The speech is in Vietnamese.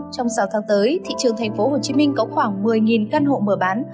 trong sáu tháng tới thị trường thành phố hồ chí minh có khoảng một mươi căn hộ mở bán